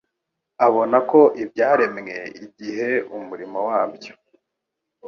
abona ko ibyaremwe, igihe umurimo wabyo